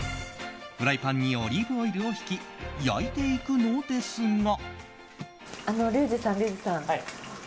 フライパンにオリーブオイルをひき焼いていくのですが。